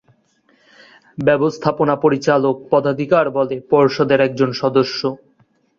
ব্যবস্থাপনা পরিচালক পদাধিকার বলে পর্ষদের একজন সদস্য।